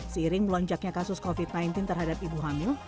seiring melonjaknya kasus covid sembilan belas terhadap ibu hamil